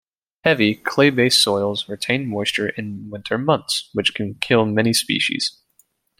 Heavy, clay-based soil retains moisture in winter months, which can kill many species.